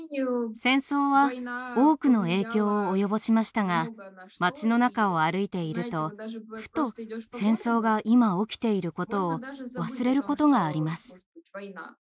戦争は多くの影響を及ぼしましたが町の中を歩いているとふと戦争が今起きていることを忘れることがあります。